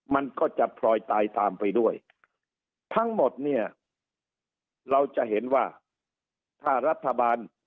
มันก็จะพลอยตายตามไปด้วยทั้งหมดเนี่ยเราจะเห็นว่าถ้ารัฐบาล